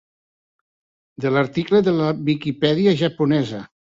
"De l'article de la Wikipedia japonesa"